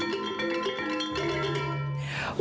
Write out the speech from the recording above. terima kasih banyak pak